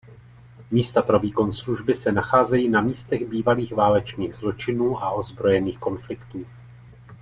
Místa pro výkon služby se nacházejí na místech bývalých válečných zločinů a ozbrojených konfliktů.